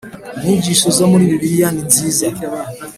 inyigisho zo muri Bibiliya ninziza